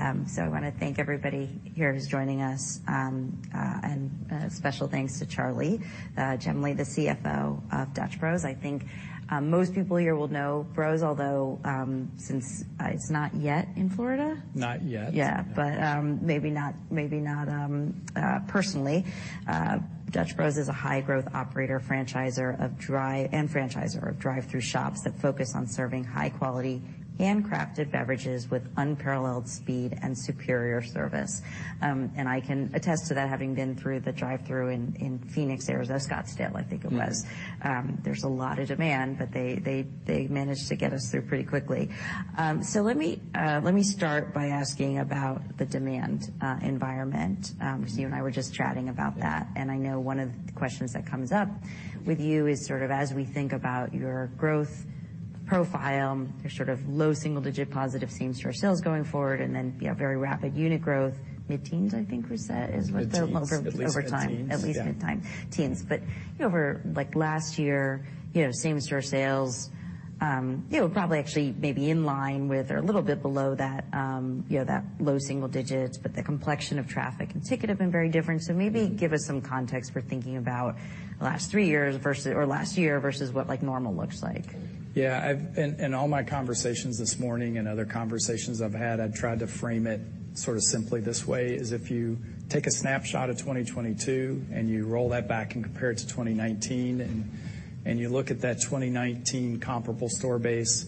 I want to thank everybody here who's joining us, and a special thanks to Charley Jemley, the CFO of Dutch Bros. I think most people here will know Bros although, since it's not yet in Florida. Not yet. Yeah. maybe not, personally. Dutch Bros is a high growth operator and franchisor of drive-through shops that focus on serving high quality handcrafted beverages with unparalleled speed and superior service. I can attest to that, having been through the drive-through in Phoenix, Arizona, Scottsdale, I think it was. There's a lot of demand, they managed to get us through pretty quickly. Let me start by asking about the demand environment. You and I were just chatting about that. I know one of the questions that comes up with you is sort of as we think about your growth profile, your sort of low single-digit positive same-store sales going forward. You have very rapid unit growth, mid-teens, I think we said. Mid-teens. At least mid-teens. Over time. At least mid-teens. Over, like, last year, you know, same-store sales, you know, probably actually maybe in line with or a little bit below that, you know, that low single digits, the complexion of traffic and ticket have been very different. Maybe give us some context for thinking about the last three years versus last year versus what, like, normal looks like. Yeah. In all my conversations this morning and other conversations I've had, I've tried to frame it sort of simply this way, is if you take a snapshot of 2022, and you roll that back and compare it to 2019, and you look at that 2019 comparable store base,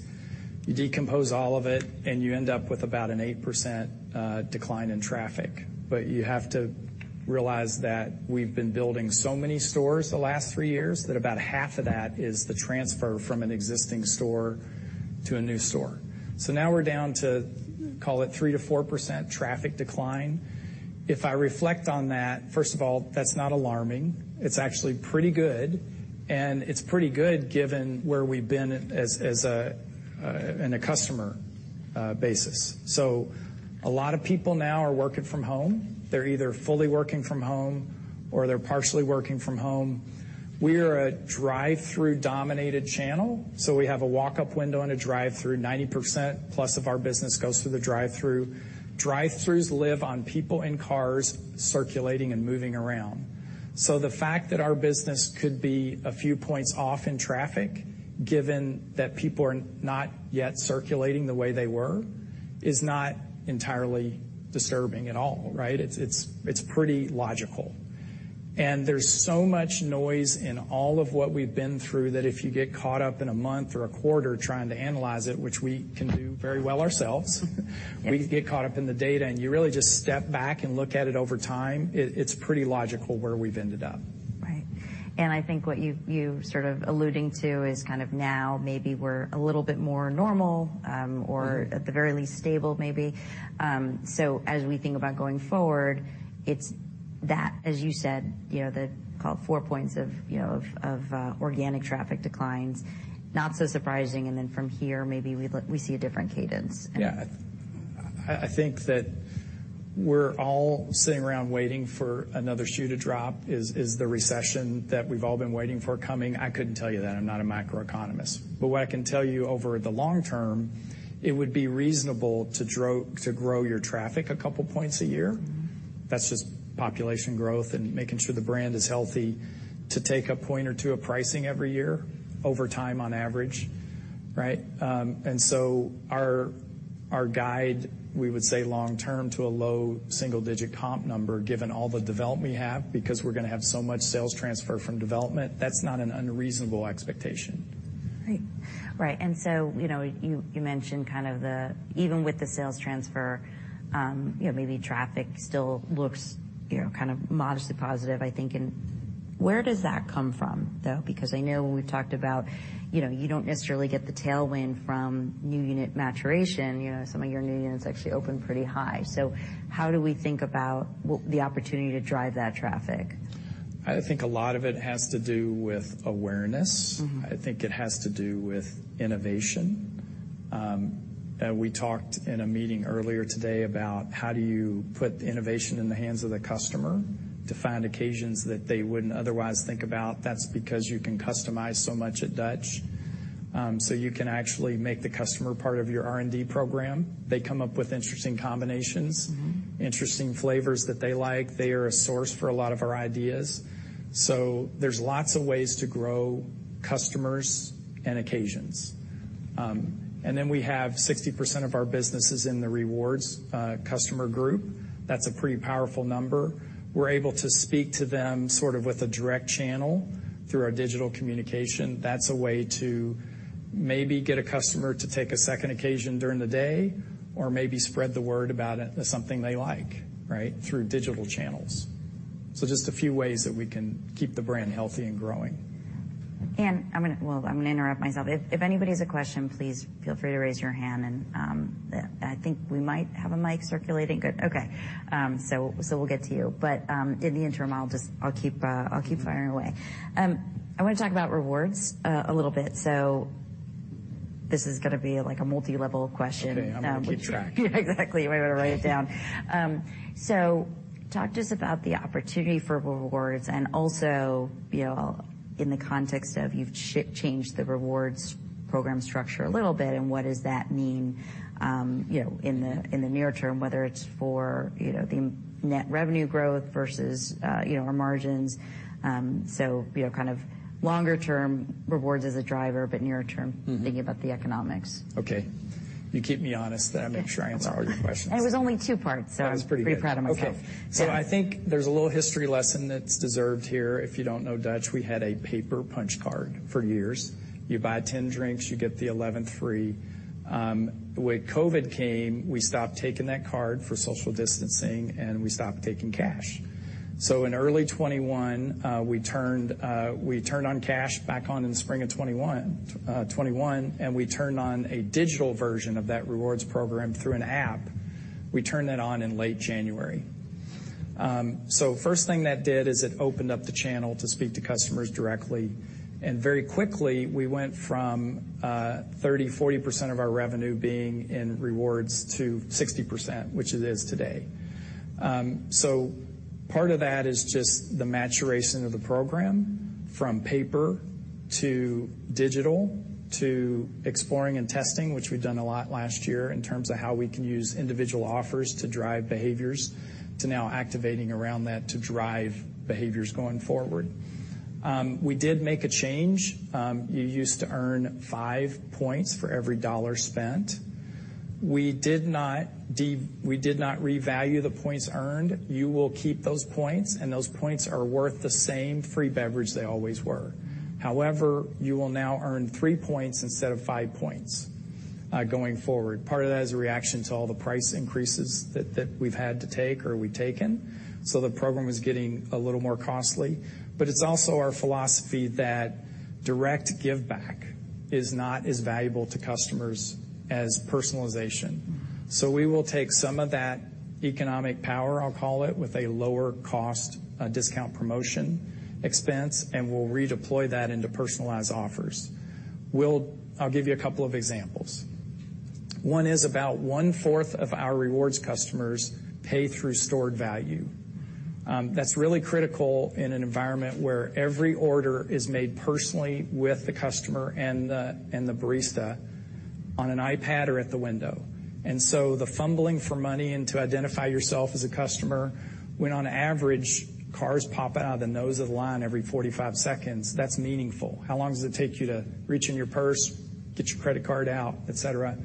you decompose all of it, and you end up with about an 8% decline in traffic. You have to realize that we've been building so many stores the last three years that about half of that is the transfer from an existing store to a new store. Now we're down to, call it 3%-4% traffic decline. If I reflect on that, first of all, that's not alarming. It's actually pretty good, and it's pretty good given where we've been as a, in a customer, basis. A lot of people now are working from home. They're either fully working from home, or they're partially working from home. We're a drive-through dominated channel, so we have a walk-up window and a drive-through. 90% plus of our business goes through the drive-through. Drive-throughs live on people in cars circulating and moving around. The fact that our business could be a few percentage points off in traffic, given that people are not yet circulating the way they were, is not entirely disturbing at all, right? It's pretty logical. There's so much noise in all of what we've been through that if you get caught up in a month or a quarter trying to analyze it, which we can do very well ourselves. We get caught up in the data, and you really just step back and look at it over time, it's pretty logical where we've ended up. Right. I think what you sort of alluding to is kind of now maybe we're a little bit more normal. Mm-hmm. At the very least stable maybe. As we think about going forward, it's that, as you said, you know, the call it four points of, you know, of, organic traffic declines, not so surprising. From here, maybe we see a different cadence. Yeah. I think that we're all sitting around waiting for another shoe to drop. Is the recession that we've all been waiting for coming? I couldn't tell you that. I'm not a macroeconomist. What I can tell you over the long term, it would be reasonable to grow your traffic a couple points a year. That's just population growth and making sure the brand is healthy to take a point or two of pricing every year over time on average, right? Our guide, we would say long-term to a low single digit comp number given all the development we have because we're going to have so much sales transfer from development. That's not an unreasonable expectation. Right. Right. you know, you mentioned kind of even with the sales transfer, you know, maybe traffic still looks, you know, kind of modestly positive, I think. Where does that come from, though? Because I know we've talked about, you know, you don't necessarily get the tailwind from new unit maturation. You know, some of your new units actually open pretty high. How do we think about the opportunity to drive that traffic? I think a lot of it has to do with awareness. Mm-hmm. I think it has to do with innovation. We talked in a meeting earlier today about how do you put innovation in the hands of the customer to find occasions that they wouldn't otherwise think about. That's because you can customize so much at Dutch. You can actually make the customer part of your R&D program. They come up with interesting combinations. Mm-hmm. Interesting flavors that they like. They are a source for a lot of our ideas. There's lots of ways to grow customers and occasions. We have 60% of our business is in the rewards customer group. That's a pretty powerful number. We're able to speak to them sort of with a direct channel through our digital communication. That's a way to maybe get a customer to take a second occasion during the day or maybe spread the word about it as something they like, right? Through digital channels. Just a few ways that we can keep the brand healthy and growing. Well, I'm going to interrupt myself. If anybody has a question, please feel free to raise your hand and I think we might have a mic circulating. Good. Okay. We'll get to you. In the interim, I'll keep firing away. I want to talk about rewards a little bit. This is going to be like a multi-level question. Okay. I'm going to keep track. Yeah. Exactly. You might want to write it down. Talk to us about the opportunity for rewards and also, you know. In the context of you've changed the rewards program structure a little bit, and what does that mean, you know, in the, in the near term, whether it's for, you know, the net revenue growth versus, you know, our margins. You know, kind of longer term rewards as a driver, but near term. Mm-hmm. -thinking about the economics. Okay. You keep me honest, then I make sure I answer all your questions. It was only two parts, so. That was pretty good. I'm pretty proud of myself. Okay. I think there's a little history lesson that's deserved here. If you don't know Dutch, we had a paper punch card for years. You buy 10 drinks, you get the 11th free. When COVID came, we stopped taking that card for social distancing, and we stopped taking cash. In early 2021, we turned on cash back on in spring of 2021, and we turned on a digital version of that rewards program through an app. We turned that on in late January. First thing that did is it opened up the channel to speak to customers directly. Very quickly, we went from 30%, 40% of our revenue being in rewards to 60%, which it is today. Part of that is just the maturation of the program from paper to digital to exploring and testing, which we've done a lot last year in terms of how we can use individual offers to drive behaviors to now activating around that to drive behaviors going forward. We did make a change. You used to earn five points for every $1 spent. We did not revalue the points earned. You will keep those points, and those points are worth the same free beverage they always were. However, you will now earn 3 points instead of 5 points going forward. Part of that is a reaction to all the price increases that we've had to take or we've taken. The program is getting a little more costly. It's also our philosophy that direct giveback is not as valuable to customers as personalization. We will take some of that economic power, I'll call it, with a lower cost, discount promotion expense, and we'll redeploy that into personalized offers. I'll give you a couple of examples. One is about 1/4 of our rewards customers pay through stored value. That's really critical in an environment where every order is made personally with the customer and the barista on an iPad or at the window. The fumbling for money and to identify yourself as a customer when on average cars pop out of the nose of the line every 45 seconds, that's meaningful. How long does it take you to reach in your purse, get your credit card out, et cetera?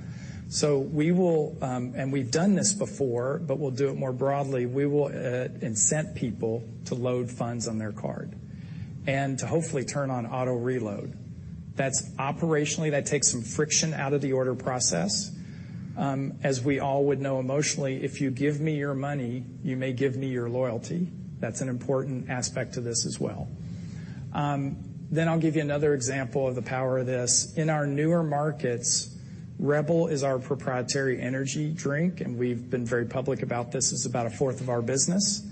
We will, and we've done this before, but we'll do it more broadly. We will incent people to load funds on their card and to hopefully turn on auto reload. That's operationally, that takes some friction out of the order process. As we all would know emotionally, if you give me your money, you may give me your loyalty. That's an important aspect to this as well. I'll give you another example of the power of this. In our newer markets, Rebel is our proprietary energy drink, and we've been very public about this. It's about a fourth of our business.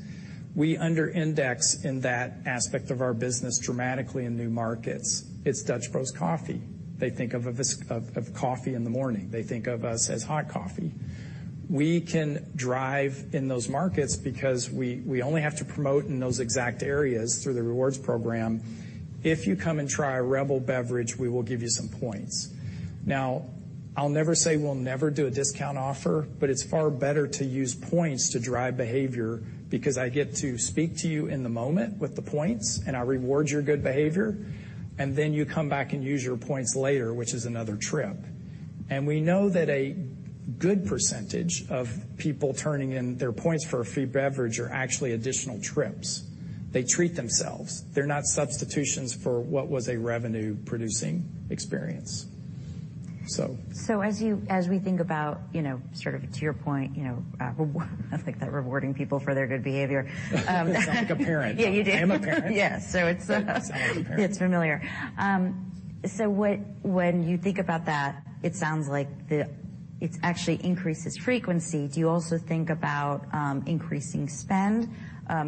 We under-index in that aspect of our business dramatically in new markets. It's Dutch Bros coffee. They think of this, of coffee in the morning. They think of us as hot coffee. We can drive in those markets because we only have to promote in those exact areas through the rewards program. If you come and try a Rebel beverage, we will give you some points. I'll never say we'll never do a discount offer, but it's far better to use points to drive behavior because I get to speak to you in the moment with the points, and I reward your good behavior, and then you come back and use your points later, which is another trip. We know that a good % of people turning in their points for a free beverage are actually additional trips. They treat themselves. They're not substitutions for what was a revenue-producing experience. as we think about, you know, sort of to your point, you know, I think that rewarding people for their good behavior. You sound like a parent. Yeah, you do. I am a parent. Yes. it's. Sounds like a parent. It's familiar. When you think about that, it sounds like it actually increases frequency. Do you also think about increasing spend,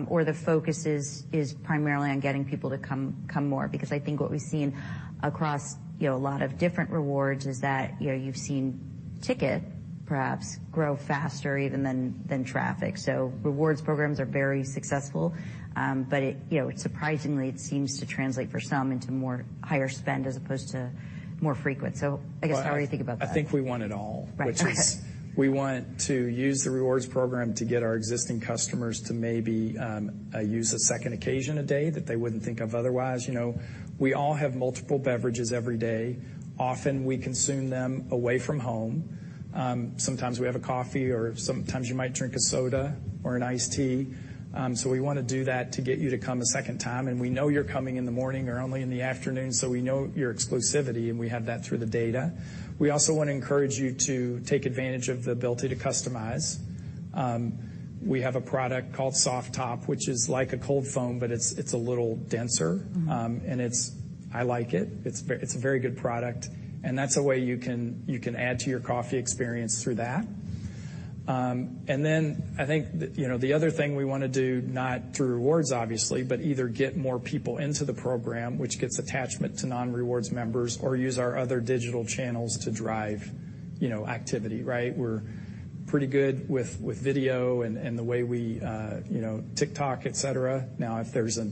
or the focus is primarily on getting people to come more? I think what we've seen across, you know, a lot of different rewards is that, you know, you've seen ticket perhaps grow faster even than traffic. Rewards programs are very successful, but it, you know, surprisingly, it seems to translate for some into more higher spend as opposed to more frequent. I guess, how are you thinking about that? I think we want it all. Right. Which is we want to use the rewards program to get our existing customers to maybe use a second occasion a day that they wouldn't think of otherwise. You know, we all have multiple beverages every day. Often, we consume them away from home. Sometimes we have a coffee, or sometimes you might drink a soda or an iced tea. We want to do that to get you to come a second time. We know you're coming in the morning or only in the afternoon, so we know your exclusivity, and we have that through the data. We also want to encourage you to take advantage of the ability to customize. We have a product called Soft Top, which is like a cold foam, but it's a little denser. I like it. It's a very good product. That's a way you can add to your coffee experience through that. I think, you know, the other thing we want to do, not through rewards, obviously, but either get more people into the program, which gets attachment to non-rewards members, or use our other digital channels to drive you know, activity, right? We're pretty good with video and the way we, you know, TikTok, et cetera. If there's a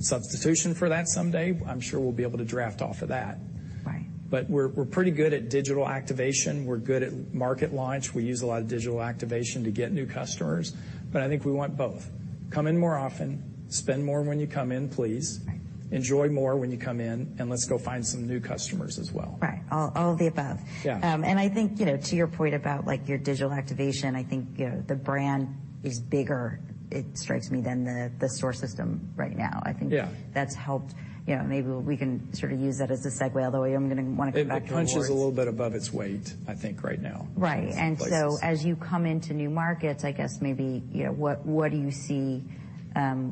substitution for that someday, I'm sure we'll be able to draft off of that. Right. We're pretty good at digital activation. We're good at market launch. We use a lot of digital activation to get new customers. I think we want both. Come in more often, spend more when you come in, please. Right. Enjoy more when you come in, and let's go find some new customers as well. Right. All of the above. Yeah. I think, you know, to your point about, like, your digital activation, I think, you know, the brand is bigger, it strikes me, than the store system right now. Yeah. that's helped. You know, maybe we can sort of use that as a segue, although I am going to want to come back to rewards. It punches a little bit above its weight, I think, right now. Right. In some places. As you come into new markets, I guess maybe, you know, what do you see,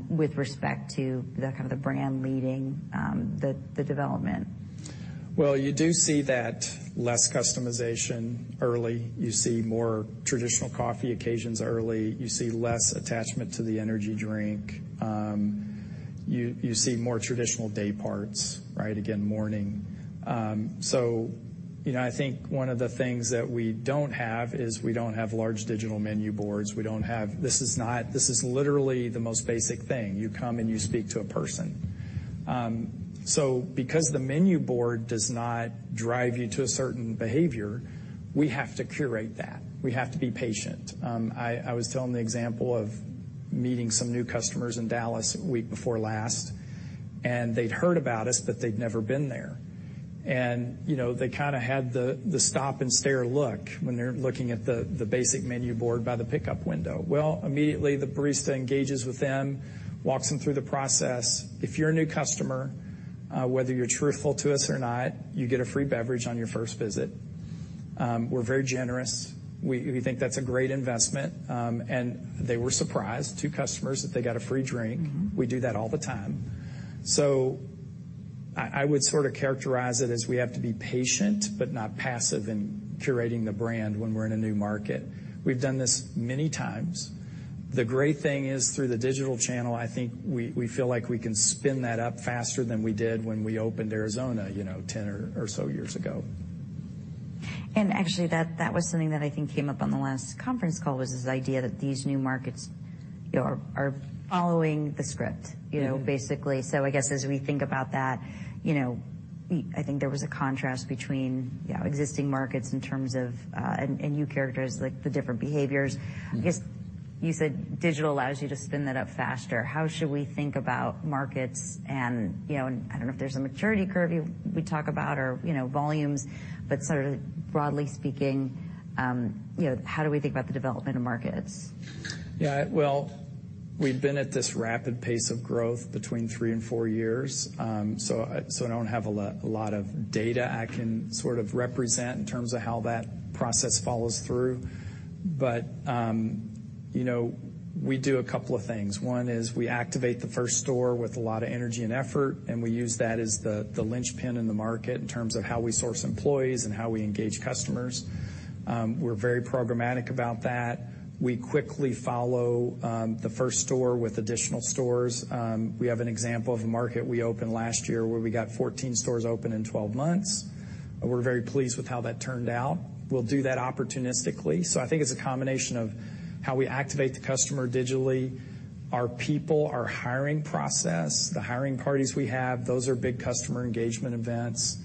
with respect to the kind of the brand leading, the development? You do see that less customization early. You see more traditional coffee occasions early. You see less attachment to the energy drink. You see more traditional day parts, right? Again, morning. You know, I think one of the things that we don't have is we don't have large digital menu boards. We don't have. This is literally the most basic thing. You come and you speak to a person. Because the menu board does not drive you to a certain behavior, we have to curate that. We have to be patient. I was telling the example of meeting some new customers in Dallas a week before last, they'd heard about us, but they'd never been there. You know, they kinda had the stop and stare look when they're looking at the basic menu board by the pickup window. Immediately, the barista engages with them, walks them through the process. If you're a new customer, whether you're truthful to us or not, you get a free beverage on your first visit. We're very generous. We think that's a great investment. They were surprised, two customers, that they got a free drink. Mm-hmm. We do that all the time. I would sorta characterize it as we have to be patient but not passive in curating the brand when we're in a new market. We've done this many times. The great thing is through the digital channel, I think we feel like we can spin that up faster than we did when we opened Arizona, you know, 10 or so years ago. Actually, that was something that I think came up on the last conference call, was this idea that these new markets, you know, are following the script. Mm-hmm. You know, basically. I guess, as we think about that, you know, I think there was a contrast between, you know, existing markets in terms of, and you characterized, like, the different behaviors. Yeah. I guess you said digital allows you to spin that up faster. How should we think about markets and, you know, and I don't know if there's a maturity curve we talk about or, you know, volumes, but sort of broadly speaking, you know, how do we think about the development of markets? Yeah. Well, we've been at this rapid pace of growth between three and four years. I don't have a lot of data I can sort of represent in terms of how that process follows through. You know, we do a couple of things. One is we activate the first store with a lot of energy and effort. We use that as the linchpin in the market in terms of how we source employees and how we engage customers. We're very programmatic about that. We quickly follow the first store with additional stores. We have an example of a market we opened last year where we got 14 stores open in 12 months. We're very pleased with how that turned out. We'll do that opportunistically. I think it's a combination of how we activate the customer digitally, our people, our hiring process, the hiring parties we have, those are big customer engagement events,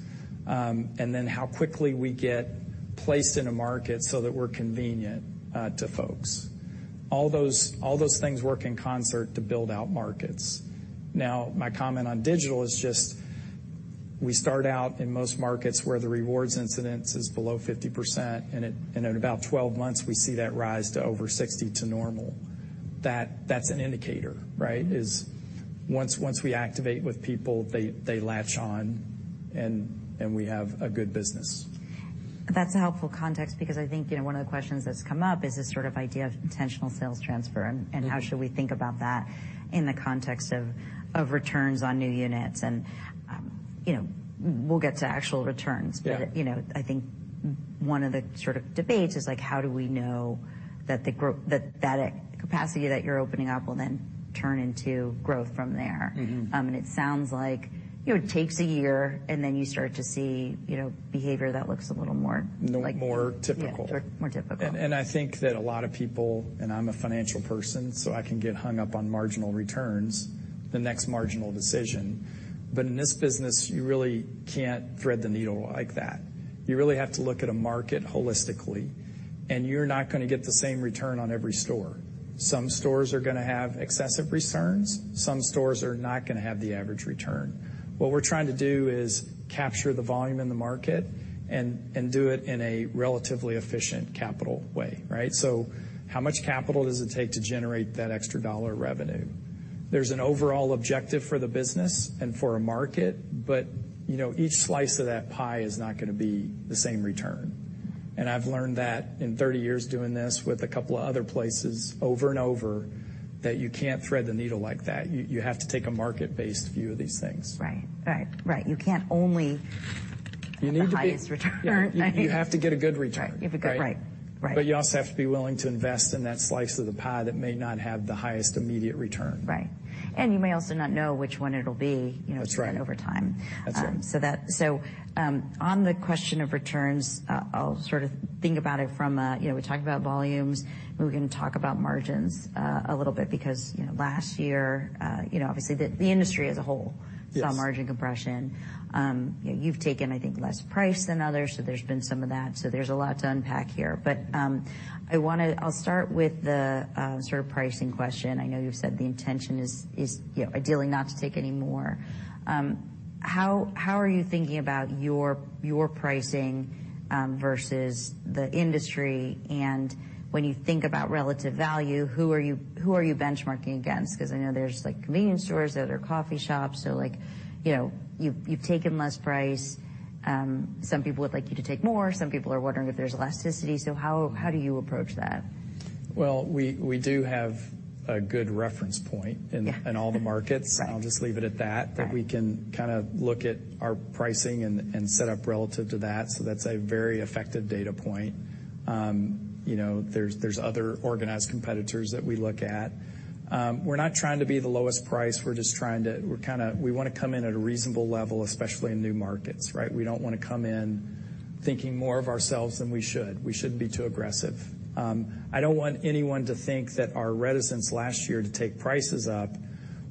and then how quickly we get placed in a market so that we're convenient to folks. All those things work in concert to build out markets. My comment on digital is just we start out in most markets where the rewards incidence is below 50%, and at about 12 months, we see that rise to over 60% to normal. That's an indicator, right? Once we activate with people, they latch on, and we have a good business. That's a helpful context because I think, you know, one of the questions that's come up is this sort of idea of intentional sales transfer and how should we think about that in the context of returns on new units. You know, we'll get to actual returns. Yeah. you know, I think one of the sort of debates is, like, how do we know that capacity that you're opening up will then turn into growth from there? Mm-hmm. It sounds like, you know, it takes a year, and then you start to see, you know, behavior that looks a little more. More typical. Yeah, more typical. I think that a lot of people, and I'm a financial person, so I can get hung up on marginal returns, the next marginal decision. In this business, you really can't thread the needle like that. You really have to look at a market holistically, and you're not going to get the same return on every store. Some stores are going to have excessive returns. Some stores are not going to have the average return. What we're trying to do is capture the volume in the market and do it in a relatively efficient capital way, right? How much capital does it take to generate that extra dollar revenue? There's an overall objective for the business and for a market, but, you know, each slice of that pie is not going to be the same return. I've learned that in 30 years doing this with a couple of other places over and over, that you can't thread the needle like that. You have to take a market-based view of these things. Right. Right. You can't. You need to. the highest return. You have to get a good return. Right. You have a good-- Right. You also have to be willing to invest in that slice of the pie that may not have the highest immediate return. Right. you may also not know which one it'll be, you know- That's right.... over time. That's right. On the question of returns, I'll sort of think about it from a, you know, we talked about volumes. We can talk about margins, a little bit because, you know, last year, you know, obviously the industry as a whole. Yes... saw margin compression. You've taken, I think, less price than others, so there's been some of that. There's a lot to unpack here. I'll start with the sort of pricing question. I know you've said the intention is, you know, ideally not to take any more. How are you thinking about your pricing versus the industry? When you think about relative value, who are you benchmarking against? Because I know there's, like, convenience stores. There are coffee shops. Like, you know, you've taken less price. Some people would like you to take more. Some people are wondering if there's elasticity. How do you approach that? Well, we do have a good reference point in all the markets. Right. I'll just leave it at that. Right. We can kind of look at our pricing and set up relative to that. That's a very effective data point. You know, there's other organized competitors that we look at. We're not trying to be the lowest price. We're just trying to we want to come in at a reasonable level, especially in new markets, right. We don't want to come in thinking more of ourselves than we should. We shouldn't be too aggressive. I don't want anyone to think that our reticence last year to take prices up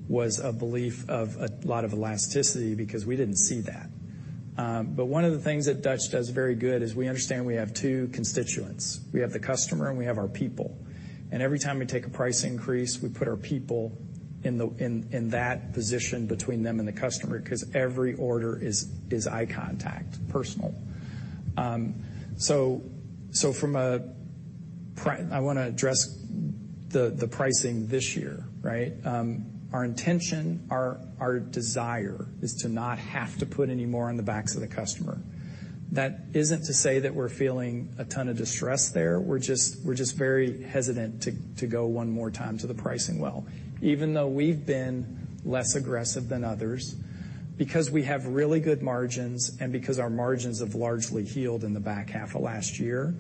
was a belief of a lot of elasticity because we didn't see that. One of the things that Dutch does very good is we understand we have two constituents. We have the customer, and we have our people. Every time we take a price increase, we put our people in that position between them and the customer because every order is eye contact, personal. From a I want to address the pricing this year, right? Our intention, our desire is to not have to put any more on the backs of the customer. That isn't to say that we're feeling a ton of distress there. We're just very hesitant to go one more time to the pricing well. Even though we've been less aggressive than others, because we have really good margins and because our margins have largely healed in the back half of last year,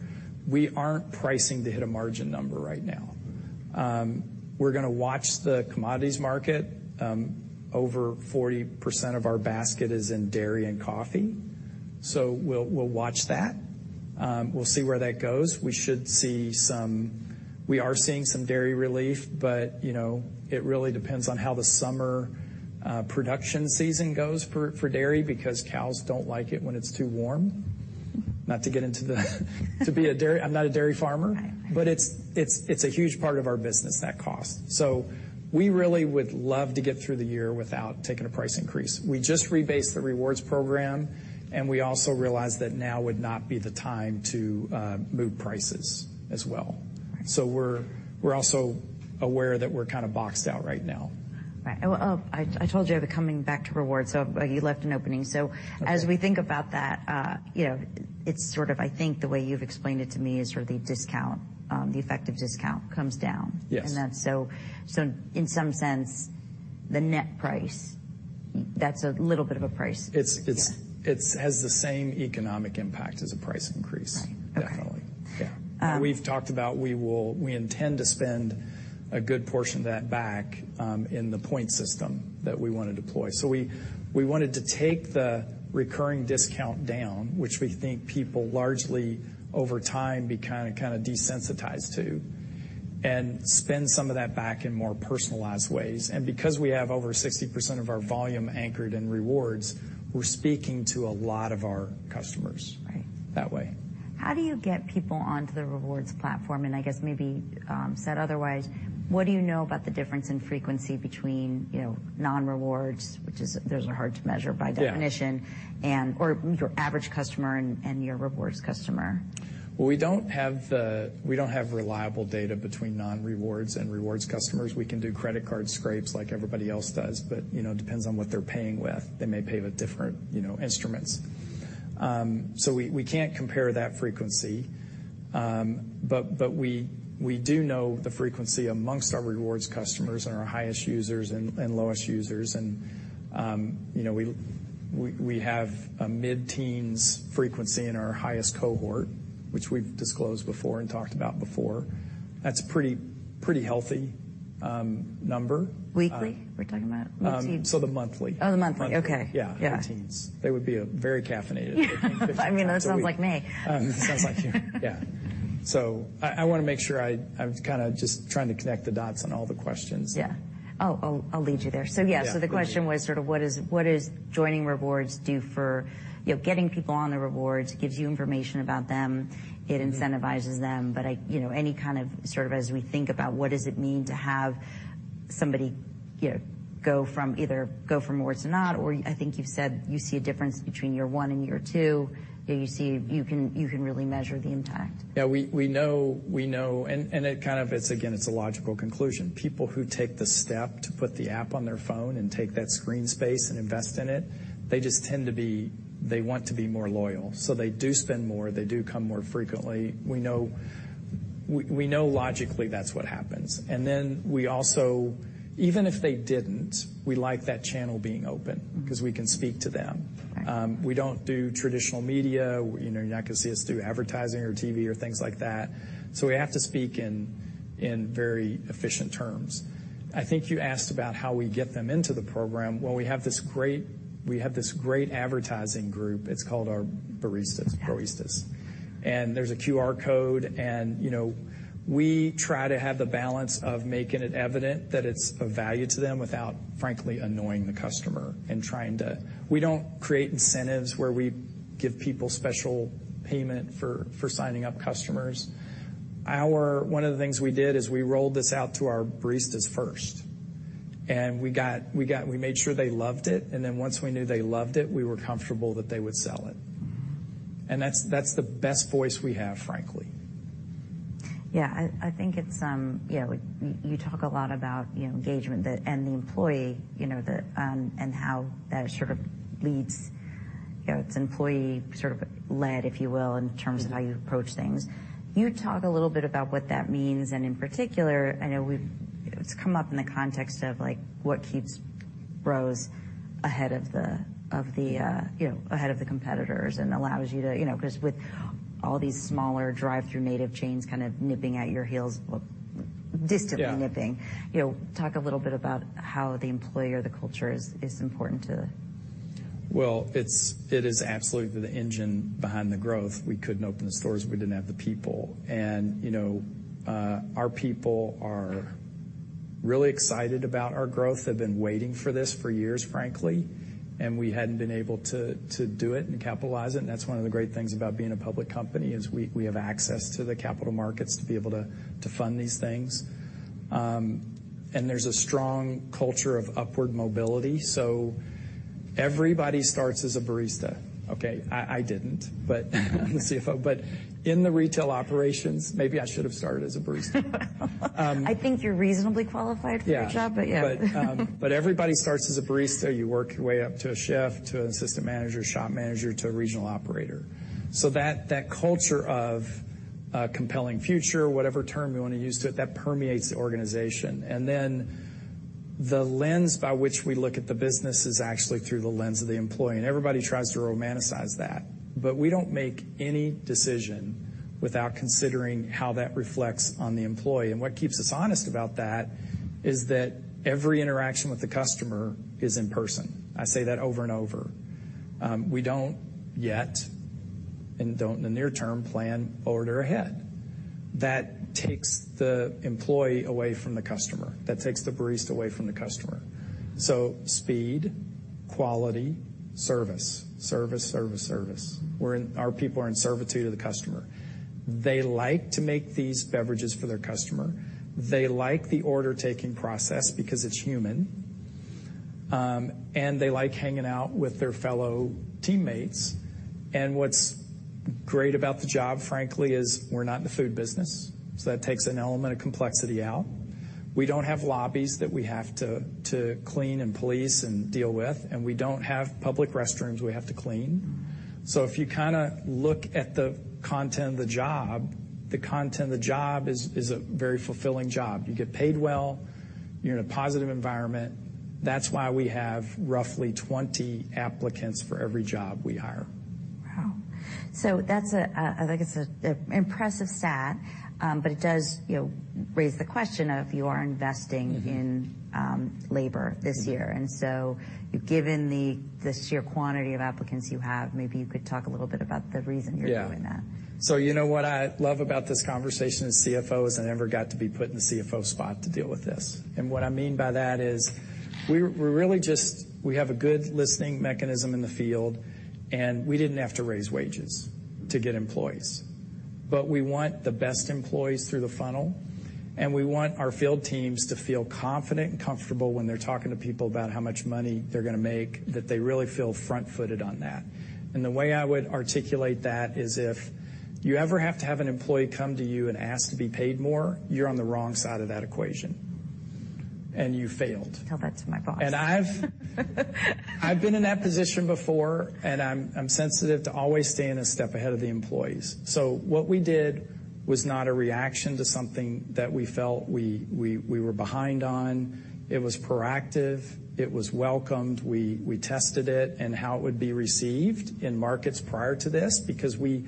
we aren't pricing to hit a margin number right now. We're going to watch the commodities market. Over 40% of our basket is in dairy and coffee. We'll watch that. We'll see where that goes. We are seeing some dairy relief, you know, it really depends on how the summer production season goes for dairy because cows don't like it when it's too warm. Not to get into the to be a dairy. I'm not a dairy farmer. Right. It's a huge part of our business, that cost. We really would love to get through the year without taking a price increase. We just rebased the rewards program. We also realized that now would not be the time to move prices as well. Right. We're also aware that we're kind of boxed out right now. Right. Well, oh, I told you I'd be coming back to rewards, so you left an opening. As we think about that, you know, it's sort of I think the way you've explained it to me is sort of the discount, the effective discount comes down. Yes. So in some sense, the net price, that's a little bit of a price. It's has the same economic impact as a price increase. Right. Okay. Definitely. Yeah. Um- We've talked about we intend to spend a good portion of that back, in the point system that we want to deploy. We wanted to take the recurring discount down, which we think people largely over time be kinda desensitized to, and spend some of that back in more personalized ways. Because we have over 60% of our volume anchored in rewards, we're speaking to a lot of our customers. Right... that way. How do you get people onto the rewards platform? I guess maybe, said otherwise, what do you know about the difference in frequency between, you know, non-rewards, which is, those are hard to measure by definition? Yeah... and/or your average customer and your rewards customer? Well, we don't have reliable data between non-rewards and rewards customers. We can do credit card scrapes like everybody else does, but, you know, it depends on what they're paying with. They may pay with different, you know, instruments. We can't compare that frequency. We do know the frequency amongst our rewards customers and our highest users and lowest users. You know, we have a mid-teens frequency in our highest cohort, which we've disclosed before and talked about before. That's a pretty healthy number. Weekly we're talking about? The monthly. Oh, the monthly. Monthly. Okay. Yeah. Yeah. Mid-teens. They would be a very caffeinated 15 times a week. I mean, that sounds like me. sounds like you. Yeah. I want to make sure I'm kinda just trying to connect the dots on all the questions. Yeah. Oh, I'll lead you there. Yeah. Yeah. Please do. The question was sort of what is, what does joining rewards do for. You know, getting people on the rewards gives you information about them. It incentivizes them. I, you know, any kind of sort of as we think about what does it mean to have somebody, you know, go from either go from rewards to not, or I think you've said you see a difference between year one and year two, you know, you see you can really measure the impact. Yeah, we know, it's again, it's a logical conclusion. People who take the step to put the app on their phone and take that screen space and invest in it, they want to be more loyal. They do spend more. They do come more frequently. We know logically that's what happens. We also, even if they didn't, we like that channel being open because we can speak to them. We don't do traditional media. You know, you're not going to see us do advertising or TV or things like that. We have to speak in very efficient terms. I think you asked about how we get them into the program. Well, we have this great advertising group. It's called our baristas. Yeah. Baristas. There's a QR code. You know, we try to have the balance of making it evident that it's of value to them without, frankly, annoying the customer. We don't create incentives where we give people special payment for signing up customers. One of the things we did is we rolled this out to our baristas first, we made sure they loved it. Once we knew they loved it, we were comfortable that they would sell it. That's the best voice we have, frankly. Yeah. I think it's, you know, you talk a lot about, you know, engagement and the employee, the, how that sort of leads. You know, it's employee sort of led, if you will, in terms of how you approach things. Can you talk a little bit about what that means? In particular, I know it's come up in the context of, like, what keeps Bros ahead of the, ahead of the competitors and allows you to, you know, because with all these smaller drive-through native chains kind of nipping at your heels, well, distantly nipping. Yeah. You know, talk a little bit about how the employee or the culture is important to. Well, it is absolutely the engine behind the growth. We couldn't open the stores if we didn't have the people. you know, our people are really excited about our growth. They've been waiting for this for years, frankly. We hadn't been able to do it and capitalize it. That's one of the great things about being a public company, is we have access to the capital markets to be able to fund these things. There's a strong culture of upward mobility. Everybody starts as a barista, okay? I didn't, but I'm the CFO. In the retail operations. Maybe I should have started as a barista. I think you're reasonably qualified for your job. Yeah. Yeah. Everybody starts as a barista. You work your way up to a chef, to an assistant manager, shop manager, to a regional operator. That, that culture of a compelling future, whatever term you want to use to it, that permeates the organization. The lens by which we look at the business is actually through the lens of the employee. Everybody tries to romanticize that. We don't make any decision without considering how that reflects on the employee. What keeps us honest about that is that every interaction with the customer is in person. I say that over and over. We don't yet and don't in the near term plan order ahead. That takes the employee away from the customer. That takes the barista away from the customer. Speed, quality, service. Service, service. Our people are in servitude to the customer. They like to make these beverages for their customer. They like the order-taking process because it's human. They like hanging out with their fellow teammates. What's great about the job, frankly, is we're not in the food business, so that takes an element of complexity out. We don't have lobbies that we have to clean and police and deal with, and we don't have public restrooms we have to clean. If you kinda look at the content of the job, the content of the job is a very fulfilling job. You get paid well. You're in a positive environment. That's why we have roughly 20 applicants for every job we hire. Wow. That's an impressive stat, but it does, you know, raise the question of you are investing in labor this year. Given the sheer quantity of applicants you have, maybe you could talk a little bit about the reason you're doing that. Yeah. You know what I love about this conversation as CFO is I never got to be put in the CFO spot to deal with this. What I mean by that is we're really we have a good listening mechanism in the field, and we didn't have to raise wages to get employees. We want the best employees through the funnel, and we want our field teams to feel confident and comfortable when they're talking to people about how much money they're going to make, that they really feel front-footed on that. The way I would articulate that is if you ever have to have an employee come to you and ask to be paid more, you're on the wrong side of that equation, and you failed. I'll tell that to my boss. I've been in that position before, and I'm sensitive to always staying a step ahead of the employees. What we did was not a reaction to something that we felt we were behind on. It was proactive. It was welcomed. We tested it and how it would be received in markets prior to this because we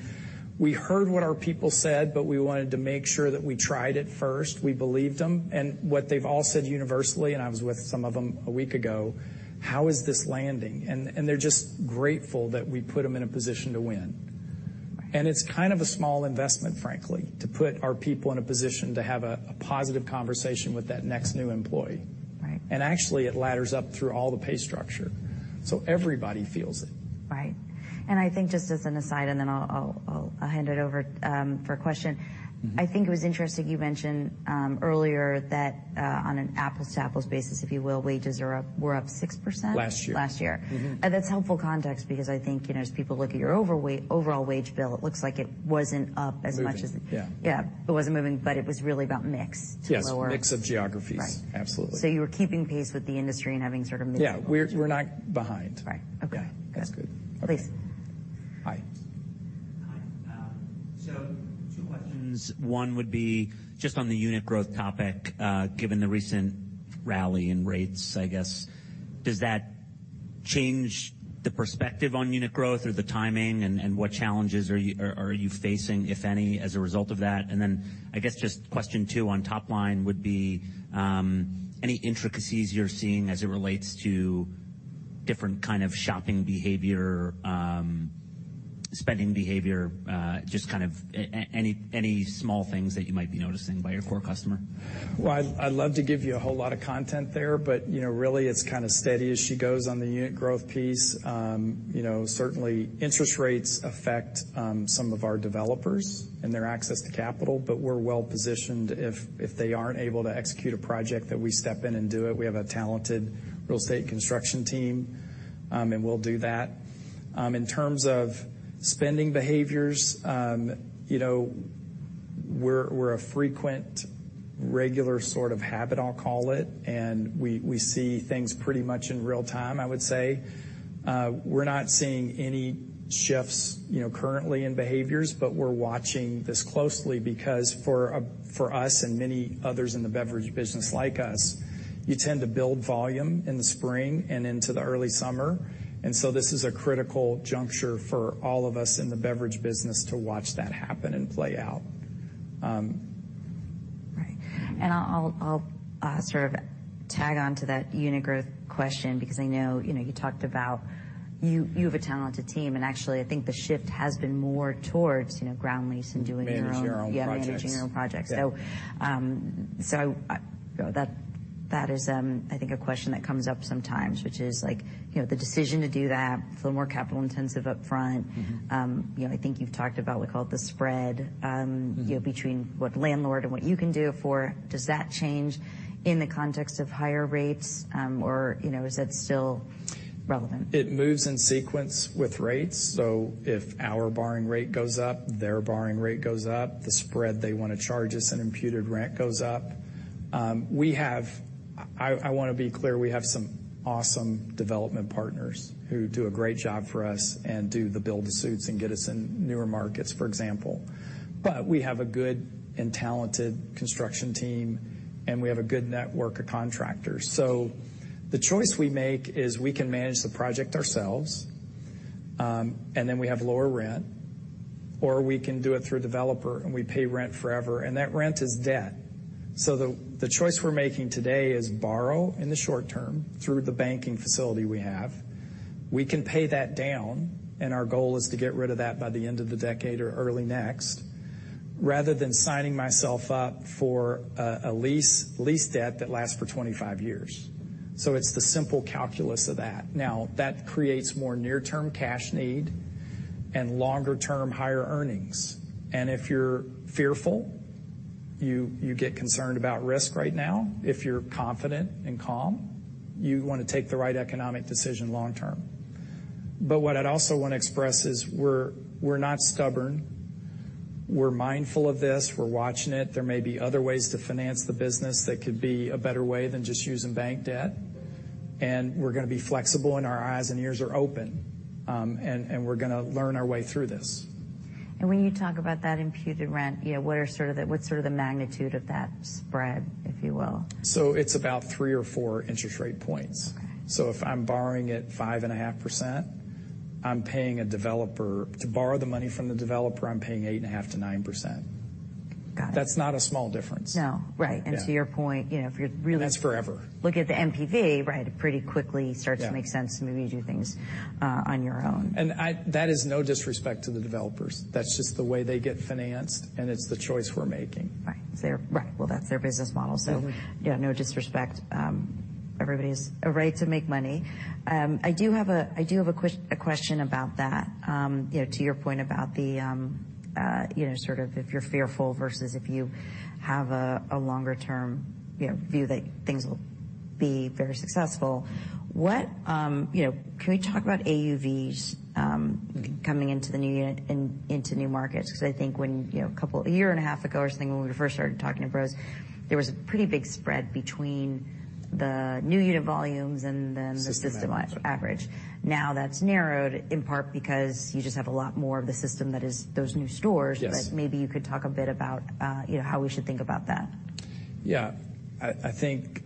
heard what our people said, but we wanted to make sure that we tried it first. We believed them. What they've all said universally, and I was with some of them a week ago, "How is this landing?" They're just grateful that we put them in a position to win. It's kind of a small investment, frankly, to put our people in a position to have a positive conversation with that next new employee. Right. Actually, it ladders up through all the pay structure, so everybody feels it. Right. I think just as an aside, and then I'll hand it over, for a question. Mm-hmm. I think it was interesting you mentioned earlier that on an apples-to-apples basis, if you will, wages were up 6%. Last year. Last year. Mm-hmm. That's helpful context because I think, you know, as people look at your overall wage bill, it looks like it wasn't up as much as... Moving. Yeah. Yeah. It wasn't moving, but it was really about mix to lower- Yes, mix of geographies. Right. Absolutely. You were keeping pace with the industry and having sort of mixed- Yeah. We're not behind. Right. Okay. Yeah. That's good. Please. Hi. Hi. Two questions. One would be just on the unit growth topic, given the recent rally in rates, I guess. Does that change the perspective on unit growth or the timing, and what challenges are you facing, if any, as a result of that? I guess just question two on top line would be, any intricacies you're seeing as it relates to different kind of shopping behavior, spending behavior, just kind of any small things that you might be noticing by your core customer? I'd love to give you a whole lot of content there, but, you know, really, it's kinda steady as she goes on the unit growth piece. You know, certainly interest rates affect some of our developers and their access to capital, but we're well-positioned if they aren't able to execute a project that we step in and do it. We have a talented real estate construction team, and we'll do that. In terms of spending behaviors, you know, we're a frequent, regular sort of habit, I'll call it, and we see things pretty much in real time, I would say. We're not seeing any shifts, you know, currently in behaviors, but we're watching this closely because for us and many others in the beverage business like us, you tend to build volume in the spring and into the early summer. This is a critical juncture for all of us in the beverage business to watch that happen and play out. Right. I'll sort of tag on to that unit growth question because I know, you know, you talked about you have a talented team, and actually I think the shift has been more towards, you know, ground lease. Managing your own projects. Yeah, managing your own projects. Yeah. That is, I think a question that comes up sometimes, which is, like, you know, the decision to do that, it's a little more capital-intensive upfront. Mm-hmm. you know, I think you've talked about what's called the spread. Mm-hmm ...you know, between what landlord and what you can do for. Does that change in the context of higher rates, or, you know, is that still relevant? It moves in sequence with rates. If our borrowing rate goes up, their borrowing rate goes up, the spread they want to charge us in imputed rent goes up. I want to be clear, we have some awesome development partners who do a great job for us and do the build-to-suits and get us in newer markets, for example. We have a good and talented construction team, and we have a good network of contractors. The choice we make is we can manage the project ourselves, and then we have lower rent, or we can do it through a developer, and we pay rent forever, and that rent is debt. The choice we're making today is borrow in the short term through the banking facility we have. We can pay that down, and our goal is to get rid of that by the end of the decade or early next, rather than signing myself up for a lease debt that lasts for 25 years. It's the simple calculus of that. That creates more near-term cash need and longer-term higher earnings. If you're fearful, you get concerned about risk right now. If you're confident and calm, you want to take the right economic decision long term. What I'd also want to express is we're not stubborn. We're mindful of this. We're watching it. There may be other ways to finance the business that could be a better way than just using bank debt. We're going to be flexible, and our eyes and ears are open. We're going to learn our way through this. When you talk about that imputed rent, you know, what's sort of the magnitude of that spread, if you will? It's about three or four interest rate points. Okay. If I'm borrowing at 5.5%, I'm paying a developer, to borrow the money from the developer, I'm paying 8.5%-9%. Got it. That's not a small difference. No. Right. Yeah. to your point, you know, if you're. That's forever. look at the NPV, right, it pretty quickly starts- Yeah ...to make sense to maybe do things, on your own. That is no disrespect to the developers. That's just the way they get financed, and it's the choice we're making. Right. Right. Well, that's their business model. Mm-hmm. Yeah, no disrespect. Everybody has a right to make money. I do have a question about that. you know, to your point about the, you know, sort of if you're fearful versus if you have a longer term, you know, view that things will be very successful. What, you know, can we talk about AUVs, coming into the new unit and into new markets? Because I think when, you know, a year and a half ago or something when we first started talking to Bros, there was a pretty big spread between the new unit volumes and then the system average. System average. Now that's narrowed, in part because you just have a lot more of the system that is those new stores. Yes. Maybe you could talk a bit about, you know, how we should think about that. I think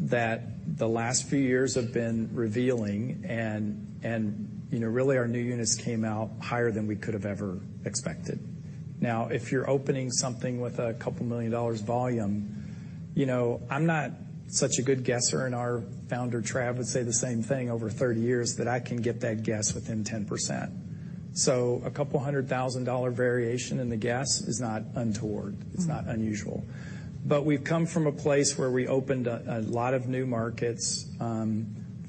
that the last few years have been revealing and, you know, really our new units came out higher than we could have ever expected. Now, if you're opening something with a couple million dollars volume, you know, I'm not such a good guesser, and our founder, Trav, would say the same thing over 30 years, that I can get that guess within 10%. A couple hundred thousand dollar variation in the guess is not untoward. Mm-hmm. It's not unusual. We've come from a place where we opened a lot of new markets.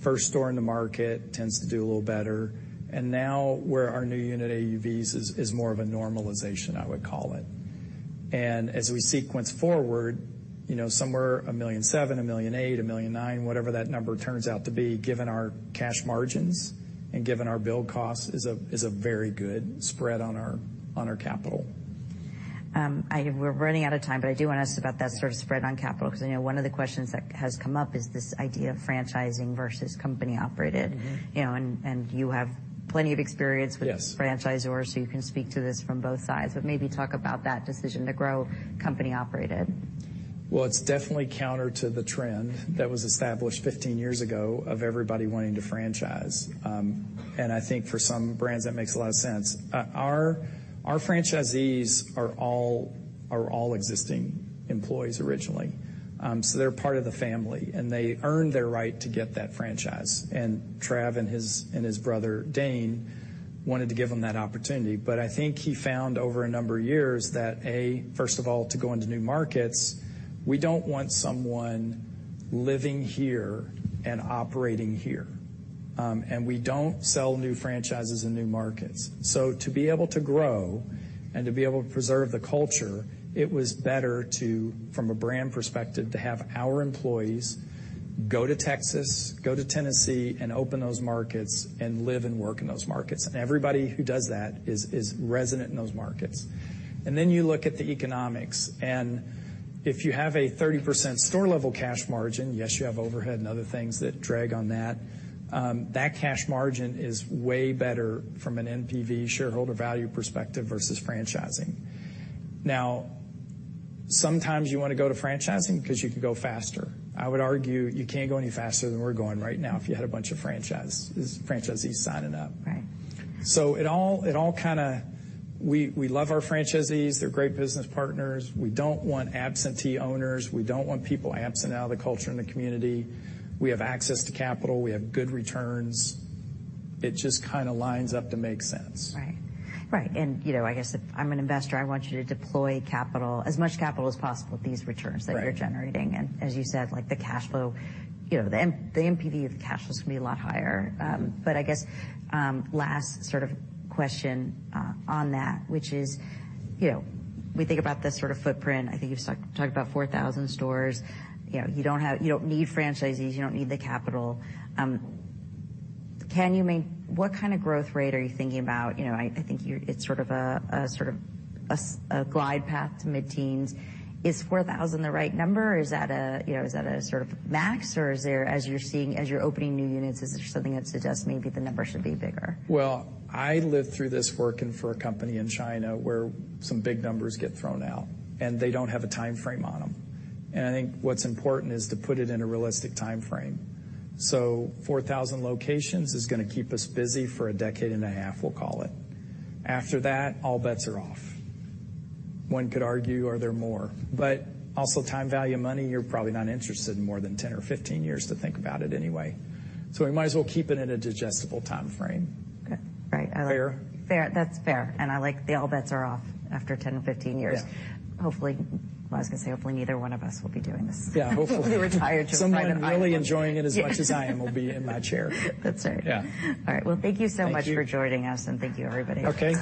First store in the market tends to do a little better. Now where our new unit AUVs is more of a normalization, I would call it. As we sequence forward, you know, somewhere 1.7 million, 1.8 million, 1.9 million, whatever that number turns out to be, given our cash margins and given our build costs, is a very good spread on our capital. We're running out of time, but I do want to ask about that sort of spread on capital, 'cause I know one of the questions that has come up is this idea of franchising versus company operated. Mm-hmm. You know, you have plenty of experience. Yes. -with franchisors, so you can speak to this from both sides. Maybe talk about that decision to grow company operated. It's definitely counter to the trend that was established 15 years ago of everybody wanting to franchise. I think for some brands that makes a lot of sense. Our franchisees are all existing employees originally. They're part of the family, and they earn their right to get that franchise. Trav and his brother, Dane, wanted to give them that opportunity. I think he found over a number of years that, A, first of all, to go into new markets, we don't want someone living here and operating here. We don't sell new franchises in new markets. To be able to grow and to be able to preserve the culture, it was better to, from a brand perspective, to have our employees go to Texas, go to Tennessee and open those markets and live and work in those markets. Everybody who does that is resident in those markets. Then you look at the economics, and if you have a 30% store level cash margin, yes, you have overhead and other things that drag on that cash margin is way better from an NPV shareholder value perspective versus franchising. Sometimes you want to go to franchising because you can go faster. I would argue you can't go any faster than we're going right now if you had a bunch of franchisees signing up. Right. It all kinda. We love our franchisees. They're great business partners. We don't want absentee owners. We don't want people absent out of the culture and the community. We have access to capital. We have good returns. It just kinda lines up to make sense. Right. Right. You know, I guess if I'm an investor, I want you to deploy capital, as much capital as possible at these returns. Right. that you're generating. As you said, like, the cash flow, you know, the NPV of the cash flows can be a lot higher. I guess, last sort of question on that, which is, you know, we think about this sort of footprint. I think you've talked about 4,000 stores. You know, you don't need franchisees. You don't need the capital. What kind of growth rate are you thinking about? You know, I think you're it's sort of a glide path to mid-teens. Is 4,000 the right number, or is that a, you know, is that a sort of max, or is there, as you're seeing, as you're opening new units, is there something that suggests maybe the number should be bigger? I lived through this working for a company in China where some big numbers get thrown out, and they don't have a timeframe on them. I think what's important is to put it in a realistic timeframe. 4,000 locations is going to keep us busy for a decade and a half, we'll call it. After that, all bets are off. One could argue, are there more? Also time value money, you're probably not interested in more than 10 or 15 years to think about it anyway. We might as well keep it in a digestible timeframe. Okay. Right. Fair? Fair. That's fair, and I like the all bets are off after 10-15 years. Yeah. Hopefully, well, neither one of us will be doing this. Yeah. We'll be retired.... someone really enjoying it as much as I am will be in my chair. That's right. Yeah. All right. Well, thank you so much- Thank you. For joining us, and thank you, everybody. Okay.